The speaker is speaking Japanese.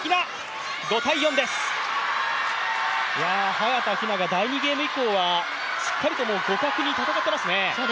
早田ひなが第２ゲーム以降は、しっかりと互角に戦っていますね。